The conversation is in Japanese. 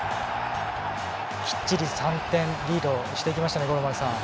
きっちり３点リードをしていきましたね、五郎丸さん。